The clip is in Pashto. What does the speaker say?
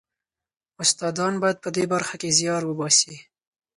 استادان باید په دې برخه کې زیار وباسي.